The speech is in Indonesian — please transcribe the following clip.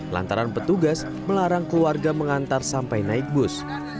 lantaran petugas melarang keluarga mengantar sampai naik bus